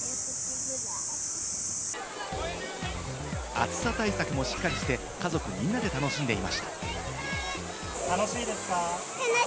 暑さ対策もしっかりして、家族みんなで楽しんでいました。